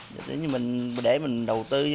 nếu như để mình đầu tư